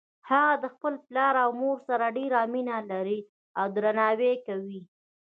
هغه د خپل پلار او مور سره ډیره مینه لری او درناوی یی کوي